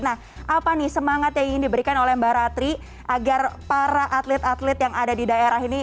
nah apa nih semangat yang ingin diberikan oleh mbak ratri agar para atlet atlet yang ada di daerah ini